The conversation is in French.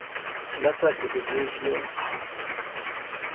L'attaque des légions suit.